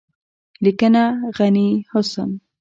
لیکنه: غني حسن